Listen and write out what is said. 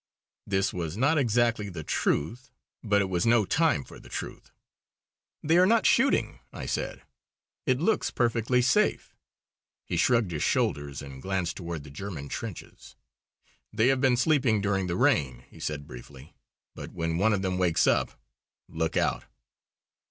This was not exactly the truth; but it was no time for the truth. "They are not shooting," I said. "It looks perfectly safe." He shrugged his shoulders and glanced toward the German trenches. "They have been sleeping during the rain," he said briefly. "But when one of them wakes up, look out!"